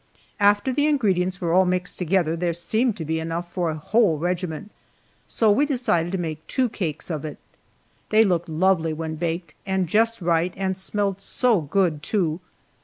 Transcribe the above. After the ingredients were all mixed together there seemed to be enough for a whole regiment, so we decided to make two cakes of it. They looked lovely when baked, and just right, and smelled so good, too!